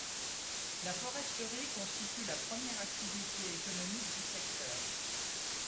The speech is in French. La foresterie constitue la première activité économique du secteur.